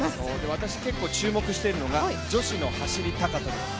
私、結構注目しているのが女子の走高跳